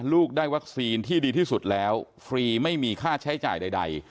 ลูกได้วัคซีนที่ดีที่สุดแล้วฟรีไม่มีค่าใช้จ่ายใด